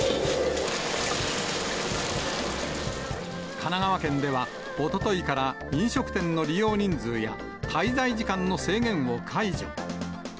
神奈川県ではおとといから飲食店の利用人数や、滞在時間の制限を解除。